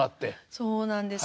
そうなんです。